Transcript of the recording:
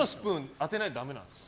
当てないとダメなんですか？